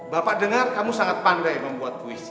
bapak dengar kamu sangat pandai membuat kuis